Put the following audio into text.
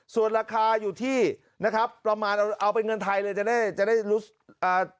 ส่วนราคาอยู่ที่นะครับประมาณเอาเอาเป็นเงินไทยเลยจะได้จะได้รู้อ่า